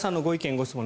・ご質問